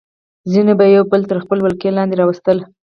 ځینو به یې یو بل تر خپلې ولکې لاندې راوستل.